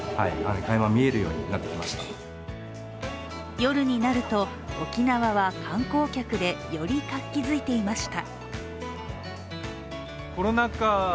夜になると沖縄は観光客でより活気づいていました。